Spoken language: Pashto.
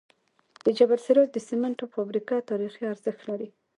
د جبل السراج د سمنټو فابریکه تاریخي ارزښت لري.